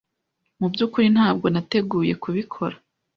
Mu byukuri ntabwo nateguye kubikora.